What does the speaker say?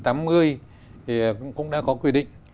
thì cũng đã có quy định